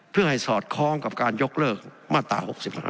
เพื่อให้สอดคล้องกับการยกเลิกมาตรา๖๕